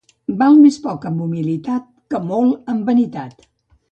Val més poc amb humilitat que molt amb vanitat.